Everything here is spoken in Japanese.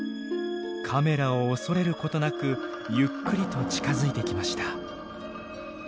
カメラを恐れることなくゆっくりと近づいてきました。